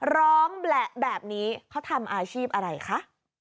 แหละแบบนี้เขาทำอาชีพอะไรคะ